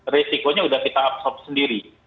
resikonya sudah kita absorb sendiri